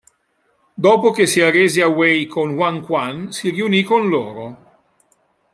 Dopo che si arrese a Wei con Huang Quan, si riunì con loro.